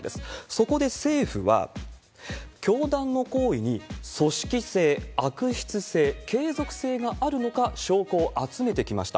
そこで政府は、教団の行為に組織性、悪質性、継続性があるのか、証拠を集めてきました。